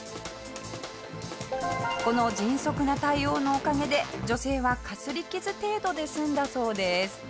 この迅速な対応のおかげで女性はかすり傷程度で済んだそうです。